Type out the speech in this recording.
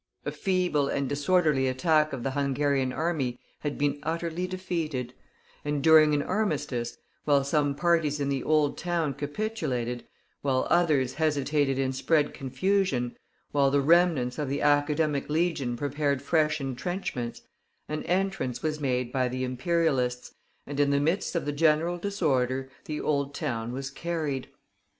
A feeble and disorderly attack of the Hungarian army had been utterly defeated; and during an armistice, while some parties in the Old Town capitulated, while others hesitated and spread confusion, while the remnants of the Academic Legion prepared fresh intrenchments, an entrance was made by the imperialists, and in the midst of the general disorder the Old Town was carried.